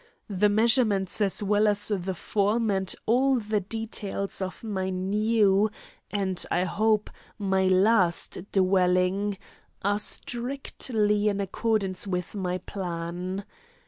The measurements as well as the form and all the details of my new, and, I hope, my last dwelling are strictly in accordance with my plan.